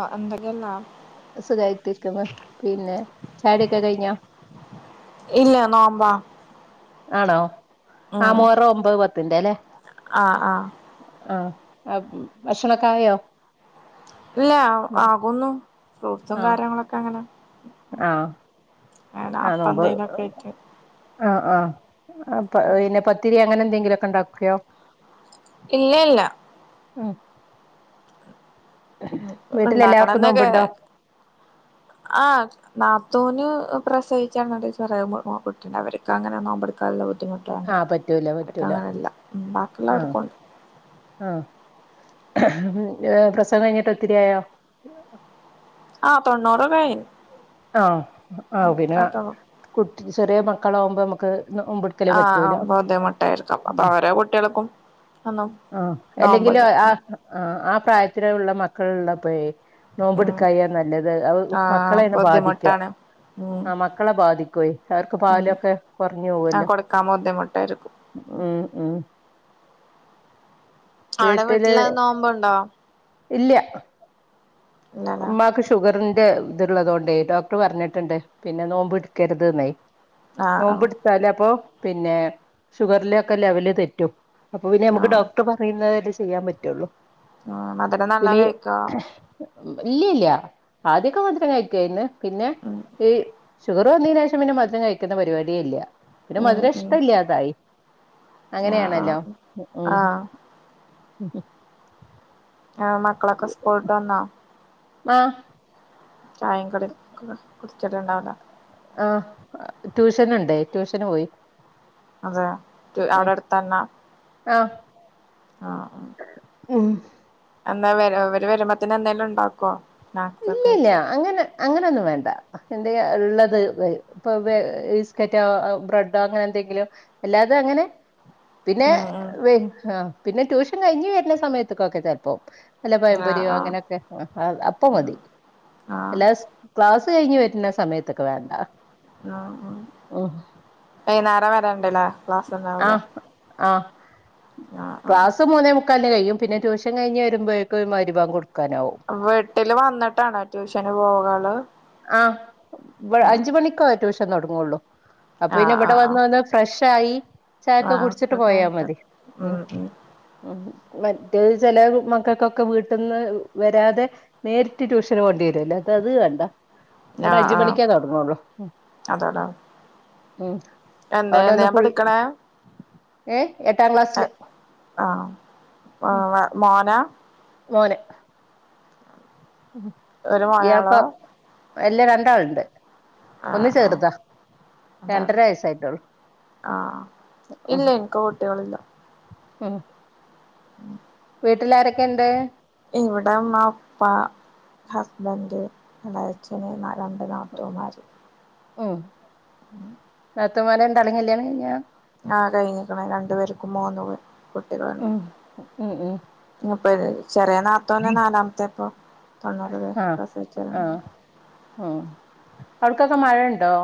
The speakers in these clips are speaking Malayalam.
ആഹ അന്ത സുഖമായിട്ടരിക്കുന്നു പിന്നെ ചാടൊക്കെ കഴിഞ്ഞാ ഇല്ല നോമ്പാ ആണോ ആ മോറോ ഒമ്പത് പത്തിന്റെ അല്ലേ ആഹ ആഹ ആ ഭക്ഷണക്കായോ ഇല്ല ആകുന്നു ഫ്രൂട്ട്സും ആഹ് കാര്യങ്ങളൊക്കെ അങ്ങനെ ആഹ് അങ്ങനെ ആ അപ്പം നോമ്പ് എന്തേലൊക്കെ ആയിട്ട് ആഹ ആപിന്നെ പത്തിരി അങ്ങനെ എന്തെങ്കിലോക്കെ ഉണ്ടാക്കോ ഇല്ല ഇല്ല മ്മ് ഉണ്ടാക്കണം ന്നൊക്കെ നോമ്പുണ്ടോ ആ, തൂന് പ്രസവിച്ചനൊണ്ട് ചെറിയ [unintelligible] അവർക്ക് അങ്ങനെ നോമ്പെടുക്കാനുള്ള ബുദ്ധിമുട്ടുകണ്ട് ആ പറ്റൂല അടക്ക പറ്റൂല അങ്ങനെയല്ല ആഹ് ബാക്കിയുള്ളവർക്കുണ്ട് ആഹ് പ്രസവം കഴിഞ്ഞിട്ട് ഒത്തിരിയോ ആ തൊണോറ കായി ആഹ ആ പിന്നെ കുട്ടി ചെറിയ മക്കളാാവുമ്പോ നമുക്ക് നോമ്പെടുക്കല് ആ പറ്റൂല ബുദ്ധിമുട്ടായിരിക്കാം അപ്പൊ അവര കുട്ടികൾക്കും ഒന്നും ആ അല്ലെങ്കില് നോമ്പില്ല ആ ആ പ്രായത്തില് ഉള്ള മക്കള് ഉള്ള പോയെ ഉം നോമ്പിടുക്ക നല്ലത് മക്കള ആഹ് ബുദ്ധിമുട്ടാണ് ഉം ആ മക്കളെ ബാധിക്കോയി അവർക്ക് ഉം പാലൊക്കെ കുറഞ്ഞു ആ പോവല്ലോ കൊടുക്കാൻ ബുദ്ധിമുട്ടായിരിക്കും മ്മ് മ്മ് [inaudible] അവിടെ വീട്ടില് നോമ്പുണ്ടോ ഇല്ല ഇല്ലല്ലോ ഉമ്മക്ക് ഷുഗറിന്റെ ഇത്ള്ളതൊണ്ട് ഡോക്ടർ പറഞ്ഞിട്ടുണ്ട് പിന്നെ നോമ്പ് ഇടിക്കരുത് ന്നെ ആഹ് നോമ്പ് ആഹ് ഇടുതൽ അപ്പൊ പിന്നെ ഷുഗറില ഒക്കെ ലെവല് തെറ്റും. അപ്പൊ പിന്നെ നമുക്ക് ആഹ് ഡോക്ടർ പറയുന്നത് അല്ലേ ചെയ്യാൻ പറ്റുള്ളൂ. ആ മധുരം നല്ലാം പിന്നെ ഈ- കഴിക്കാ ഇല്ല ഇല്ല ആദ്യൊക്കെ മാത്രം കഴികെന്ന് പിന്നെ ഉം ഈ ഷുഗർ വന്നെന് ശേഷം പിന്നെ മാത്രം കഴിക്കുന്ന പരിപാടിയെ ഇല്ല പിന്നെ ഉം മധുര ഉം ഇഷ്ടമല്ലാതായി ആഹ് അങ്ങനെയാണല്ലോ ആഹ് മ്മ് ആഹ് [inaudible] ആ മക്കളൊക്കെ സ്കൂളിട്ട് വന്നോ ആ ചായ കടിം കുടിച്ചിട്ടുണ്ടാവല ആ ട്യൂഷൻ ഉണ്ടേ ട്യൂഷന് പോയി. അതെ ഉം അവിടെ അടുത്തന്നെ ആഹ് ആഹ മ്മ് എന്നവരു വരു വരുമ്പോത്തിന് എന്തേലും ഉണ്ടാക്കോ സ്നേക്സ് ഒക്കെയിട്ട് അങ്ങനെയ ഒന്നും വേണ്ട എന്ത ഉള്ളത് ഇ ബിസ്ക്കറ്റോ ബ്രെഡോ അങ്ങനെ എന്തെങ്കിലോ അല്ലാതെ അങ്ങനെ [inaudible] പിന്നെ ഉം ആ പിന്നെ ട്യൂഷൻ കഴിഞ്ഞഞ് വരുന്ന സമയത്തക്കൊക്കെ ചെിലപ്പോ ആവും അല്ല ആഹ് പയംമ്പൊരിയോ ആഹ് അങ്ങനെയൊക്കെ ആ അപ്പ ഉം മതി ആഹ് എല്ലാ ക്ലസ് കഴിഞ്ഞ് വരുന്ന സമയത്തൊക്കെ വേണ്ട ഉം വൈകുന്നേരം വരണ്ടല്ലേ ആഹ് ആഹ് ആഹ് ആഹ് ക്ലാസ്സ് മൂന്നേ മുക്ക് [unintelligible] കഴും പിന്നെ ട്യഷൻ കഴിഞ് വരുമ്പഴേക്കെ മഗ്‌രി ബാങ്ക് കൊടുക്കും വീട്ടില് വന്നിട്ടാണോ ട്യൂഷന് പോകാള് ആ ആഹ് അഞ്ച മണിക്കോ റ്റുഷ [unintelligible] തുടങ്ങുള്ളൂ അപ്പൊ പിന്ന ആഹ് ഇവിടെ ആഹ് വന്ന് ആഹ് ഒന്ന് ഫ്രഷായി ചായ ഒക്കെ ആഹ് കുടിച്ചിട്ട് പോയാ കഴിഞ്ഞിട്ട് മതി ഉ ഉം ഉം [unintelligible] മറ്റേ ചില [unintelligible] വീട്ടന്ന് വരാതെ നേരിട്ട് ട്യൂഷൻ കൊണ്ടി [unintelligible] ഇവിടെ ആഹ് അഞ്ച് ആഹ് മണിക്കേ തുടങ്ങൂള്ളൂ ഓ [unintelligible] ഞാൻ പഠിക്കണ ഏ എട്ടാം അ ക്ലാസ്സില് ആഹ് ഉം ആ മോനാ മോന് ഒരു മയാളാ എല്ലാ രണ്ടാളുണ്ട് ഒന്നു ആഹ് ചെറുതാ അതാണ് രണ്ടര വയസായിട്ടോളൂ ആഹ് ഇല്ല എനിക്ക് കുട്ടികളില്ല ഉം [inaudible] വീട്ടിൽ ആരൊക്കെ ഉണ്ട് ഇവിടെമ്മ ഉപ്പ ഹസ്ബൻ്റ് എളേച്ഛന് നാ രണ്ട് നാത്തൂൻമാര് ഉം [inaudible] മൂത്തോമാലെ രണ്ടാളേം കല്യാണം കഴിഞ്ഞാ ആ കഴിഞ്ഞിക്കണ് രണ്ടു പേർക്കും മൂന്നു കുട്ടികളുണ്ട് ഉം ഉം ഉം മുന്ന് ചെറിയ നാത്തുന് നാലാമത്തെ ഇപ്പൊ തൊണ്ണൂറ് ആഹ് [unintelligible] ആഹ് ഉം അടുക്കൊക്കെ മഴയുണ്ടോ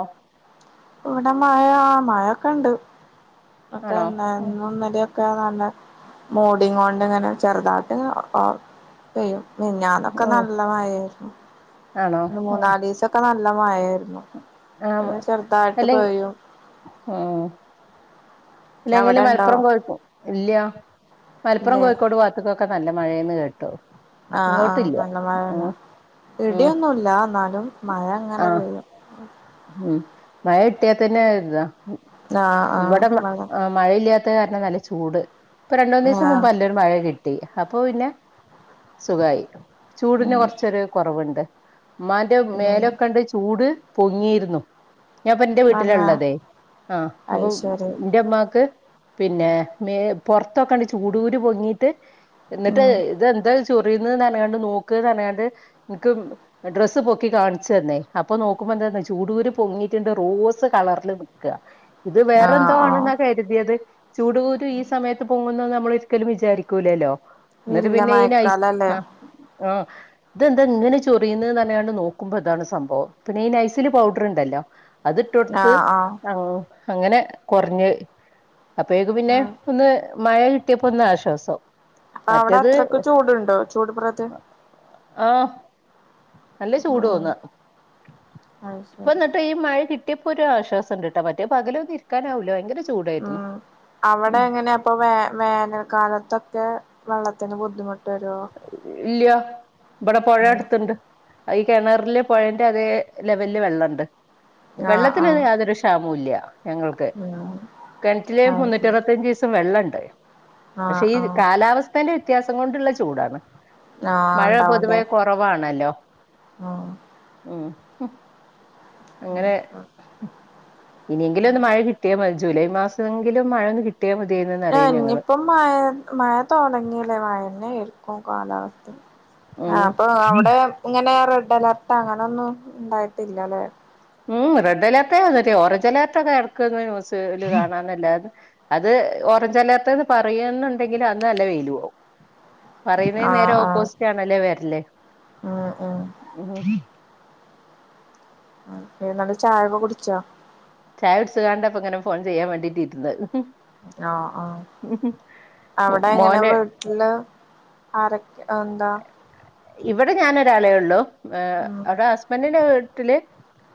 ഇവിടെ മഴാ മഴൊക്കെ ഉണ്ട് ഒക്കെ ആണോ ഇന്ന് ഉം ഇന്നും ഇന്നലെയൊക്കെ ന്നെ മൂടികൊണ്ട് ഇങ്ങനെ ചെറുതായിട്ട് അ പെയ്യും മെഞ്ഞാന്നൊക്കെ ഉം നല്ല മായായിരുന്നു ആണോ ഉം മൂന്നാല് ദിവസൊക്കെ നല്ല മായായിരുന്നു ആഹ് പിന്നെ ചെറുതായിട്ട് അല്ലെങ്കി പെയ്യും അവിടെ ഇല്ലെങ്കിലും ഉണ്ടോ മലപ്പുറം കോഴിക്കോ ഇല്ല മലപ്പുറം ഇല്ലേ കോഴിക്കോട് വാത്ത്ക്കൊക്കെ നല്ല മഴേന്ന് കേട്ടോ ആഹ് ആഹ് നല്ല മഴയാണ് ഉം ഇടിയൊന്നുംല്ല എന്നാലും മഴ അങ്ങനെ ആഹ് പെയ്യും ഉം മഴ കിട്ടിയാത്തന്നെ ഒരിതാ ആഹ് ഇവിടെ ആഹ് മഴയില്ലാത്ത കാരണം നല്ല ചൂട് ഇപ്പ രണ്ടൂന്ന് ദിവസം ആഹ് മുമ്പ് നല്ലൊരു മഴ പെയ്തിനി [unintelligible] അപ്പൊ പിന്നെ സുഖമായി ഉം ചൂടിന് കൊറച്ചൊരു കുറവുണ്ട് ഉമ്മാന്റെ ഉം മേലൊക്കെണ്ട് ചൂട് പൊങ്ങിയിരുന്നു ഞാൻപ്പൊ ന്റെ വീട്ടിലാ തന്നെ ഇള്ളതേ ആഹ് അയ് അപ്പൊ ശരി ന്റെ ഉമ്മാക്ക് പിന്നെ മേ പൊറത്തോക്കാണ്ട് ചൂടുകുരു പൊങ്ങീട്ട് എന്നിട്ട് ഉം ഇതെന്താ ചോ ചൊറീന്ന് പറഞ്ഞ്ങ്ങാണ്ട് നോക്ക്ന്ന് പറഞ്ഞ്ങ്ങാണ്ട് ഇൻക്ക് ഡ്രസ്സ് പൊക്കി കാണിച്ച് തന്നെ അപ്പൊ നോക്ക് [unintelligible] എന്താ ചൂടൂര് പൊങ്ങിട്ടുണ്ട് റോസ് കളറൽ നിൽക്കുക ഇത് ആഹ് വേറെന്തോ ആഹ് ആണെന്നാ കരുതിയത് ചൂട്കുരു ഈ സമയത്ത് പൊങ്ങുന്നൂന്ന് നമ്മ നമ്മ ഒരിക്കലും വിചാരിക്കലല്ലോ എന്നിട്ട് ഇല്ല പിന്നെ ഈ നയ് സി മയക്കാലല്ലേ [unintelligible] ഇതെന്താ ഇങ്ങനെ ചൊറിയുന്നേന്ന് പറഞ്ഞുങ്ങാണ്ട് നോക്കുമ്പോ ഇതാണ് സംഭവം പിന്നെ ഈ നൈസില് പൗഡർ ഉണ്ടല്ലോ അതിട്ടൊടുത്ത് ആഹ് ആഹ് ആ അങ്ങനെ കുറഞ്ഞ് അപ്പഴേക്ക് പിന്നെ ആഹ് ഒന്ന് മഴ കിട്ടിയപ്പോ ഒന്ന് ആശ്വാസം അപ്പൊ അവിടെ മറ്റത് അത്രക്ക് ചൂടുണ്ടോ ചൂട് പ്രതി ആഹ് നല്ല ചൂട് ഉം തോന്നാ അത് ഇപ്പ ശരി എന്നിട്ട് ഈ മഴ കിട്ടി ഇപ്പൊ ഒരു ആശ്വാസംഇണ്ട്ട്ടാ മറ്റേത് പകലൊന്ന് ഇരിക്കാനാവൂല ഭയങ്കര ചൂടായിരുന്നു ഉം അവിടെ ഉം എങ്ങനെയ അപ്പൊ വേ വേനൽക്കാലത്തൊക്കെ വെള്ളത്തിന് ബുദ്ധിമുട്ട് വരോ ഇല്യ ഇവിടെ പുഴ ഉം അടുത്ത്ണ്ട് ഈ കിണറിലെ പോഴേന്റെ അതേ ലെവലില് വെള്ളണ്ട് ആഹ് വെള്ളത്തിന് ആഹ് യാതൊരു ക്ഷാമവും ഇല്ല ഞങ്ങൾക്ക് ഉം കിണറ്റില് അത് മുന്നൂറ്റി ശരി അറുപത്തഞ്ച് ദിവസം വെള്ളുണ്ട് ആഹ് പക്ഷെ ഈ ആഹ് കാലാവസ്ഥേന്റെ വ്യത്യാസം കൊണ്ടുള്ള ചൂടാണ് ആഹ് മഴ ഉണ്ടാവുംല്ലേ പൊതുവേ കുറവാണല്ലോ ഉം ഉം അങ്ങനെ ഇനിയെങ്കിലും ഒന്ന് മഴ കിട്ടിയാ മതി ജൂലൈ മാസമെങ്കിലും മഴൊന്ന് കിട്ട ആ ഇനിയിപ്പ മഴ മഴ തുടങ്ങില്ലേ മഴന്നെ കാലാവസ്ഥ ആ ഉം അപ്പൊ അവിടെ ഇങ്ങനെറെ റെഡ്അലെർട് അങ്ങനൊന്നും ഉണ്ടായിട്ടില്ലല്ലേ ഉം റെഡ് അലർട്ടേ വന്നിട്ടേ ഓറഞ്ച് അലർട്ടൊക്കെ എടക്ക് ന്യൂസിൽ കാണാന്നല്ലന്ന് അത് ഓറഞ്ച് അലേർട്ട് എന്ന് പറയന്നുണ്ടെങ്കിൽ അന്ന് നല്ല വെയിലും ആവും പറയുന്ന ആഹ് നേരെ ആഹ് ഓപ്പോസിറ്റ് ആണല്ലേ വരല്ലേ ഉം ഉം ഉം നിങ്ങള് ചായൊക്കെ കുടിചോ ചായ കുടിച് ദാണ്ടെ ഇപ്പൊ ഇങ്ങനെ ഫോൺ ചെയ്യാൻ വേണ്ടിട്ട് ഇരുന്ന് ആ ആ അവിടെ എങ്ങനെ മോന് വീട്ടില് ആരൊക്കെ എന്താ ഇവിടെ ഞാൻ ഒരാളെ ഉള്ളൂ ഉം അവിടെ ഹസ്ബന്റിന്റെ വീട്ടി ട്ടില്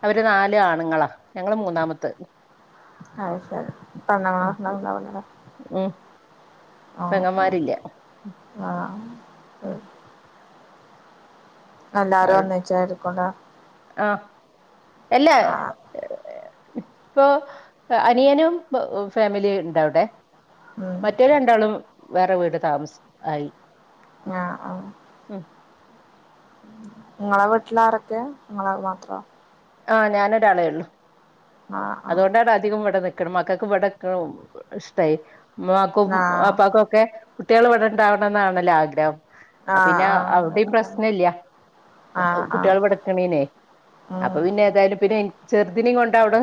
അവര് നാല് ആണുങ്ങളാ ഞങ്ങള് മൂന്നാമത്ത് അത് ശരി പണ [unintelligible] ഉം ആ പെങ്ങന്മാരില്ല ആ വ ഉം ഒന്നിച്ചായിരിക്കുംല്ലേ ആ എല്ലാ ആഹ് ഇപ്പൊ അനിയനും ഫാമിലിയും ഇണ്ട് അവിടെ ഉം മറ്റേ രണ്ടാളും വേറെ വീട് താമസ ആയി ആ ആ ഉം നിങ്ങളെ വീട്ടില ആരൊക്കെ നിങ്ങള് മാത്രോ ആ ഞാന ഒരാളേ ഉള്ളു ആഹ് ആഹ് അതുകൊണ്ടാണ് അധികം ഇവിടെ നിക്കണം മക്കൾക്ക് ഇവിടെ നിക്കണ്ണ ഇഷ്ടായി ഉമ്മാക്കും ആഹ് ബാപ്പക്കും ഒക്കെ കുട്ടികള് ഇവിടെണ്ടാവണം എന്നാണല്ലോ ആഗ്രഹം ആ പിന്നെ ആഹ് അവിടെയും ആഹ് പ്രശ്ന ഇല്ല ആഹ് ആഹ് കുട്ടികൾ വിടക്കണനെ ഉം അപ്പൊ പിന്നെ ഏതായാലും പിന്നെ ചെറുതിനിനേും കൊണ്ടവിട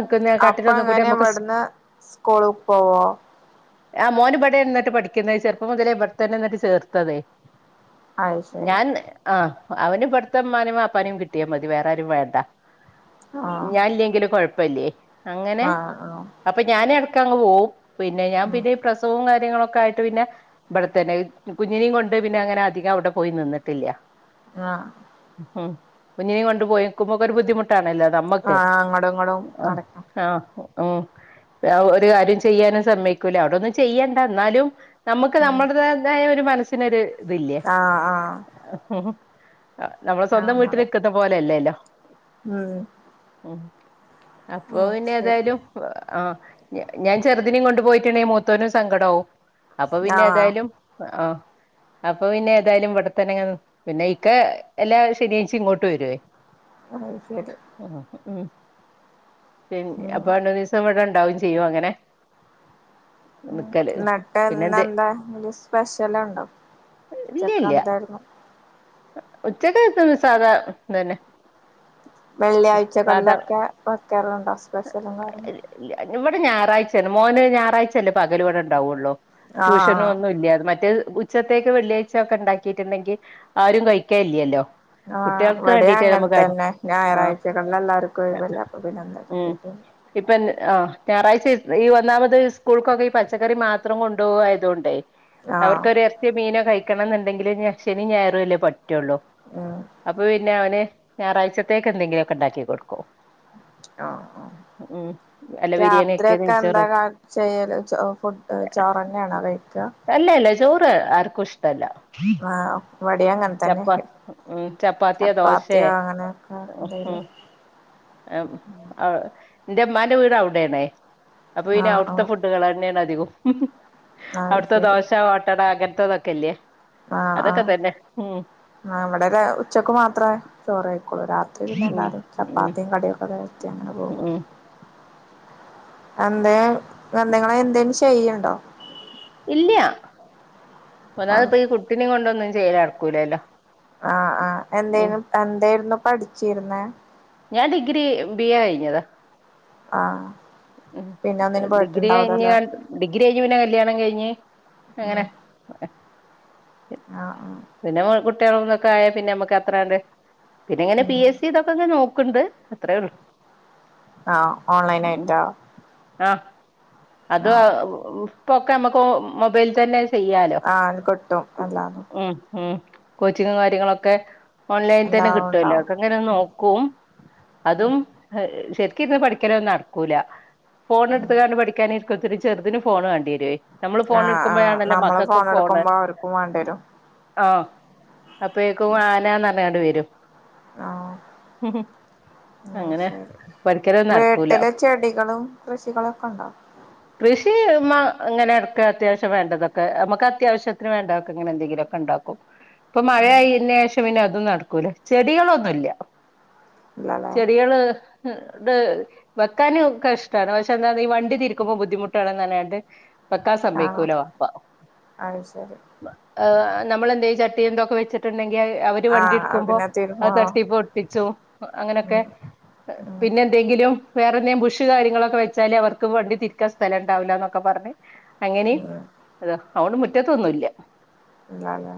അപ്പൊ അങ്ങനെ ഇവിടുന്ന് സ്കൂളിൽ പോവോ ആ മോന് ഇവിടെ നിന്നിട്ട പഠിക്കുന്ന ചെറുപ്പം മുതലേ ഇവിടെ തന്നെ എന്നിട്ട് ചേർത്തതേ അത് ശരി ഞാൻ ആ അവന് ഇവിടത്തെ ഇമ്മാനെയും ബാപ്പാനെയും കിട്ടിയാൽ മതി വേറാരും വേണ്ട ആഹ് ഞാൻ ഇല്ലെങ്കിലും കൊഴപ്പ ല്യേ അങ്ങനെ ആഹ് ആഹ് അപ്പൊ ഞാന എടക്ക അങ്ങ് പോവും പിന്നെ ഞാൻ ഉം പിന്നെ ഈ പ്രസവവും കാര്യങ്ങളൊക്കെ ഒക്കായിട്ട് പിന്നെ ഇവിടെത്തന്നെ കുഞ്ഞിനെയും കൊണ്ട് പിന്നെ അങ്ങനെ അധികം അവിടെ പോയി നിന്നിട്ടില്ല ആഹ് ഉം കുഞ്ഞിനെ കൊണ്ടുപോയിനിക്കുബൊക്കൊ ഒരു ബുദ്ധിമുട്ട് ണലോ നമ്മക്ക് ആഹ് അങ്ങടും ഇങ്ങടും ആ നടക്കാം ആ ഉം ഒരു കാര്യം ചെയ്യാനും സമ്മയികൂല്യ അവിട ഒന്നും ചെയ്യണ്ട എന്നാലും നമുക്ക് ഉം നമ്മുടെതതായ ഒരു മനസ്സിനൊരു ഇതില്യേ ആഹ് ആഹ് നമ്മളെ ആഹ് സ്വന്തം വീട്ടിൽ നട നിക്കുന്ന പോലെല്ലേല്ലോ ഉം ഉ അ ഉം പിന്നെ ശരി ഏതായാലും ആ ഞാൻ ചെറുതിനിം കൊണ്ടു പോയിട്ടുണ്ടെിൽ മൂത്തോനും സങ്കടവും അപ്പൊ പിന്നെ ആഹ് ഏതായാലും ആ അപ്പൊ പിന്നെ ഏതായാലും വടത്തനങ്ങ പിന്നെ ഇക്ക എല്ലാ ശനിയാഴ്ച്ച ഇങ്ങോട്ട് വരുവേ അ ശരി ഉം ഉം പിന്ന ഉം അപ്പൊ രണ്ടന്ന് ദിവസം ഇവിടെ ഉണ്ടാവും ചെയ്യും അങ്ങനെ ഉ നിക്കല് പിന്നെ എന്നിട്ട്ന്ന എന്ത് എന്താ സ്പെഷ്യല ഉണ്ടോ ചെക്ക എന്തായിരുന്നു ഉച്ചക്ക എത്തന്ന് സാധാ തന്നെ സാധാ വെള്ളിയാഴ്ചകളിലൊക്കെ വെക്കാറുണ്ടോ സ്പെഷ്യലും കാരണം ഇവിടെ ഞായറാഴ്ചയേ മോന് ഞായറാഴ്ചല്ലേ പകല ഇവിടെ ഉണ്ടാവുള്ളോ ട്യൂഷനും ആഹ് ഒന്നും ഇല്ല മറ്റേ ഉച്ചത്തേക്ക് വെള്ളിയാഴ്ച ഒക്കെ ഉണ്ടാക്കിയിട്ടുണ്ടെങ്കിൽ ആരും കഴിക്കാ ഇല്ലല്ലോ ആ ഇവിടും അങ്ങനെ തന്നെ ആ ഞായറാഴ്ചകളില എല്ലാവർക്കും വല്ല അഭിനന്ദനം ഉ ഇപ്പൊ ആ ഞായറാഴ്ച ഈ വന്നാമത് സ്കൂൾക്കൊക്കെ ഈ പച്ചക്കറി മാത്രം കൊണ്ടുപോയതുകൊണ്ടേ ആഹ് അവർക്കൊരു ഇറച്ചി മീനോ കഴിക്കണം എന്നുണ്ടെങ്കില് ശനി ഞായറല്ലേ പ പറ്റുള്ളൂ ഉം അപ്പൊ പിന്നെ അവന് ഞായറാഴ്ചത്തേക്ക് എന്തെങ്കിലുമ ഒക്കെ ഉണ്ടാക്കി കൊടുക്കോ ആ ആ അല്ല ബിരിയാണി ഒക്കെ രാത്രിയൊക്കെ എന്താ നെയ്ച്ചോറ് ചെയ്യല് ഫുഡ് ചോറന ആണോ കഴിക്കുക അല്ലല്ല ചോറ് ആർക്കും ഇഷ്ടല്ല ആ ഉ ചപ്പാ ഉ ചപ്പാത്തിയൊ ദോശെ ചപ്പാത്തിയോ അങ്ങനെയൊക്കെ ഹ് എന്തേലും ആ അ [unintelligible] എന്റെ അമ്മാന്റെ വീട് അവിടെണേ അപ്പൊ ഇനി ആഹ് അവിടുത്തെ ആഹ് ഫുഡുകൾ തന്നെയാണ് അധികം അത് അവിടുത്തെ ശരി ദോശ ഓട്ടട അങ്ങനത്തെതൊക്കെല്ലേ ആഹ് അതൊക്കെ ആഹ് തന്നെ ഉം ആ അവിടെ ര ഉച്ചക്ക് മാത്രേ ചോറ് കഴിക്കുള്ളു ഇത്‌ പിന്നെ ഉം എല്ലാരും ഉം ചപ്പാത്തിയും കടിയൊക്കെ കഴിച്ച് അങ്ങനെ പോകും ഉം എന്തേ നിങ്ങളെ എന്തേലും ചെയ്യണ്ടോ ഇല്യ ആഹ് ഒന്നാമത് ഈ കുട്ടിനെ കൊണ്ടൊന്നും ചെയ്യല് നടക്കുലല്ലോ ആഹ് ആഹ് എന്തേലും എന്തായിരുന്നു പഠിച്ചിരുന്നേ ഞാൻ ഡിഗ്രി ബി എ കഴിഞ്ഞതാ ആഹ് പിന്നെ ഒന്നിനും ഡിഗ്രി പോയിട്ടുണ്ടാവൂലല്ലേ കഴിഞ്ഞാൽ ഡിഗ്രി കഴിഞ്ഞു പിന്നെ കല്യാണം കഴിഞ്ഞ് ഉം അങ്ങനെ ആഹ് ആഹ് കുട്ടികളും അതും ഇതൊക്ക ആയാൽ പിന്നെ നമ്മക്ക് അത്ര കണ്ട് പി ഉം എസ് സി ഇതൊക്കെ നോക്കും ണ്ട് അത്രേ ഉള്ളു ആഹ് ഓൺലൈൻ ആയിട്ടോ ആഹ [unintelligible] അതും ആഹ് ഇപ്പൊക്കെ നമുക്ക് മൊബൈൽ തന്നെ ചെയ്യാലോ ആഹ് കിട്ടും എല്ലാതും ഉം ഉം കോച്ചിങ്ങും കാര്യങ്ങളൊക്കെ ഓൺലൈനിൽ തന്നെ എല്ലാം ഉണ്ടാവും കിട്ടുവല്ലോക്കെ ഇതൊക്കെ ഒന്ന് ഉം നോക്കും അതും ശരിക്ക് ഇരുന്ന് പഠിക്കലൊന്നും നടക്കൂലാ ഫോൺ ഉം എടുത്തകാണ്ട് പഠിക്കാന് ഇപ്പത്തിരി ചെറുതിന് ഫോണ് വാണ്ടി വരുവേ നമ്മള് ഫോൺ ആഹ് ആഹ് എടുക്കുമ്പഴാണല്ലോ നമ്മള് മക്കക്ക് ഫോൺ ഫോണ് എടുക്കുമ്പോ അവർക്കും വേണ്ടി മ് വരും ആഹ് അപ്പഴേക്കും ആനാന്ന് പറഞ്ഞ്ങ്ങാണ്ട് വരും ആഹ് ഉം അങ്ങനെ ശരി പഠിക്കലൊന്നും നടക്കൂല വീട്ടില് ചെടികളും, കൃഷികളൊക്കെ ഉണ്ടോ? കൃഷി മ അങ്ങനെ എടക്ക് അത്യാവശ്യം വേണ്ടതൊക്കെ നമ്മക്ക് അത്യാവശ്യത്തിന് വേണ്ടെതൊക്കെ ഇങ്ങനെ എന്തെങ്കിലുമൊക്കെ ഇണ്ടാക്കും. ഇപ്പൊ ഉം മഴയായിന്നെ ശേഷം പിന്നെ അതും നടക്കൂല ചെടികളൊന്നുല്ല ഇല്ലല്ലേ ചെടികള് [unintelligible] വെക്കാനും ഒക്കെ ഇഷ്ട്ടാണ് പക്ഷെ ഒന്നാമത് ഈ വണ്ടി തിരിക്കുമ്പോ ബുദ്ധിമുട്ടാണ് പറഞ്ഞ്ങ്ങാണ്ട് വെക്കാൻ ആഹ് സമ്മയ്ക്കൂല വാപ്പ അത് ശരി [unintelligible] ആഹ് നമ്മളെന്തെയ്യ് ചട്ടിയും ഇതൊക്കെ വെച്ചിട്ടുണ്ടെങ്കിൽ അവര് വണ്ടി ആഹ് എടുക്കുമ്പോ പിന്നെ തിരുമോ അത് തട്ടി പൊട്ടിച്ചും അങ്ങനൊക്കെ ഉം ഉം പിന്നെ എന്തെങ്കിലും വേറെ എന്തേം ബുഷ് കാര്യങ്ങളൊക്കെ വെച്ചാല് അവർക്ക് വണ്ടി തിരിക്കാൻ സ്ഥലംണ്ടാവില്ലാന്നൊക്കെ പറഞ്ഞ് അങ്ങനേം ഉം അതാ അവോണ്ട് മുറ്റത്തൊന്നൂല്ലാ ഇല്ലല്ലേ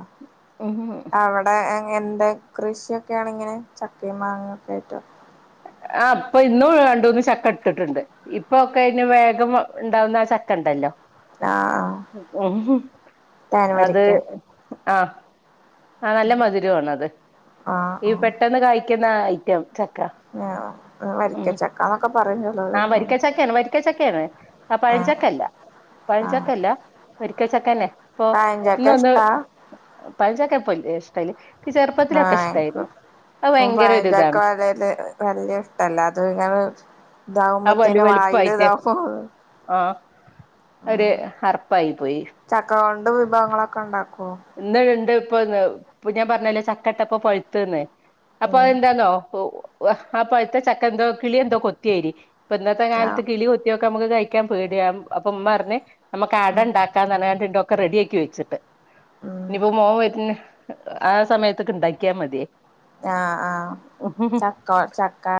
അവടെ എങ്ങൻണ്ട് കൃഷിയൊക്കെയാണ് ഇങ്ങനെ ചക്കയും മാങ്ങേ ഒക്കെ ആയിറ്റ് ആഹ് ഇപ്പൊ ഇന്നും രണ്ടൂന്ന് ചക്ക ഇട്ടിട്ടുണ്ട്, ഇപ്പൊക്കെ അയ്ന് വേഗം വ ഇണ്ടാവുന്ന ആ ചക്ക ഇണ്ടല്ലോ ആഹ് ആഹ് തേൻ അത് വരിക്ക ആഹ് ആ നല്ല മധുരോം ആണത് ആഹ് ഈ ആഹ് പെട്ടെന്ന് കായ്ക്കുന്ന ഐറ്റം ചക്ക ഉം വരിക്കച്ചക്കാന്നൊക്കെ പറയും ചെലോര് ആഹ് വരിക്കച്ചക്കയാണ് വരിക്കച്ചക്കയാണ് ആഹ് പഴഞ്ചക്കല്ല ആഹ് പഴഞ്ചക്കല്ല വരിക്കച്ചക്കന്നെ ഇപ്പൊ ഇന്ന് പഴഞ്ചക്ക ഒന്ന് ഇഷ്ടാ പഴം ചക്ക ഇപ്പല്ല ഇഷ്ട്ടല്ല ഇക്ക് ചെറുപ്പത്തിലൊക്കെ ആഹ് ഇൻക്ക് ഇഷ്ടായിരുന്നു അത് ഭയങ്കര ഒരു ഇതാണ് വല്ല്യ ഷ്ടല്ലാതതു ഞാ ആ വലു ഇതാഉമ്പത്തേന് വായില് വലുപ്പായിട്ട് ഇതാ [unintelligible] ആ ഒരു ഹർപ്പായി പോയി ത് വിഭവങ്ങളൊക്കെണ്ടാക്കും ഇന്ന് ഇണ്ട് ഇപ്പൊന്ന് ഇപ് ഞാൻ പറഞ്ഞല്ലേ ചക്കട്ടപ്പൊ പഴുത്ത്ന്ന്. അപ്പൊ ഉം അയെന്താന്നോ. ഓഹ് വഹ് ആ പഴ്ത്ത ചക്ക എന്തോ കിളി എന്തോ കൊത്തിയരി ഇപ്പൊ ഇന്നത്തെ കാൽത്ത് ആഹ് കിളി കൊത്തിയൊക്കെ നമുക്ക് കഴിക്കാൻ പേടിയാ. അപ്പൊ ഉമ്മ ർഞ്ഞ് അമക്ക് ഉം അടണ്ടാക്കാന്ന് ർഞ്ആണ്ട്ണ്ട് ഒക്കെ റെഡിയാക്കി വെച്ചിട്ട് ഉം ഇനീപ്പോ മോൻ വരുന്ന ആഹ് സമയത്ക് ഇണ്ടാക്കിയാ മതിയേ ആഹ് ആഹ് ചക്കോ ചക്ക